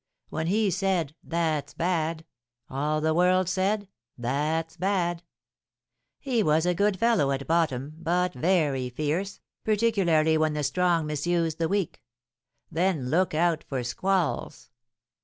When he said 'That's bad!' all the world said 'That's bad!' He was a good fellow at bottom, but very fierce, particularly when the strong misused the weak, then look out for squalls!